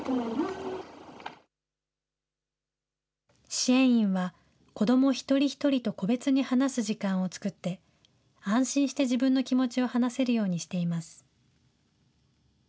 支援員は子ども一人一人と個別に話す時間を作って、安心して自分の気持ちを話せるようにしています。